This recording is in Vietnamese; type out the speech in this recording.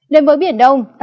đến với biển đông